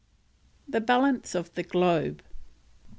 THE BALANCE OF THE GLOBE.